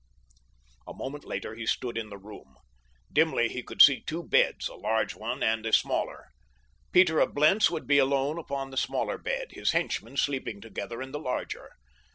A moment later he stood in the room. Dimly he could see two beds—a large one and a smaller. Peter of Blentz would be alone upon the smaller bed, his henchmen sleeping together in the larger.